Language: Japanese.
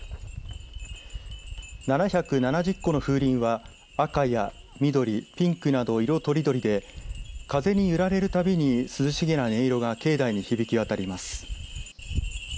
７７０個の風鈴は赤や緑、ピンクなど色とりどりで風に揺られるたびに涼しげな音色が境内に響き渡ります。